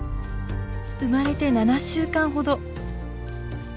生まれて７週間ほど。